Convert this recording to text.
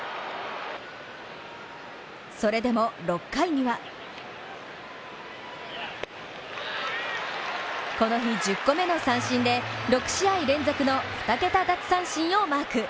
それでも６回にはこの日、１０個目の三振で６試合連続の２桁奪三振をマーク。